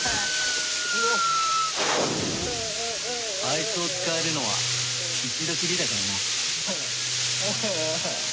あいつを使えるのは一度きりだからな。ああぁ。